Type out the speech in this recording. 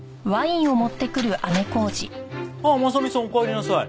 あっ真実さんおかえりなさい。